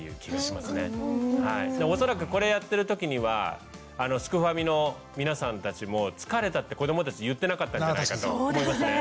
恐らくこれやってる時にはすくファミの皆さんたちも「疲れた」って子どもたち言ってなかったんじゃないかと思いますね。